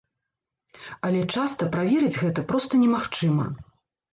Але часта праверыць гэта проста немагчыма.